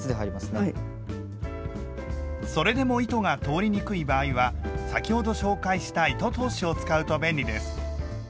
それでも糸が通りにくい場合は先ほど紹介した「糸通し」を使うと便利です。